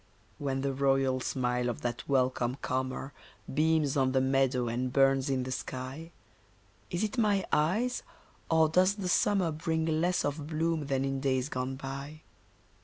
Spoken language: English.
When the royal smile of that welcome comer Beams on the meadow and burns in the sky, Is it my eyes, or does the Summer Bring less of bloom than in days gone by?